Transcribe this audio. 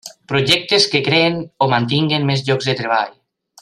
Projectes que creïn o mantinguin més llocs de treball.